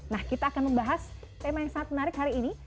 nah kita akan membahas tema yang sangat menarik hari ini